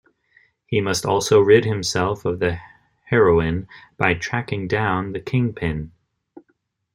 He must also rid himself of the heroin by tracking down the kingpin.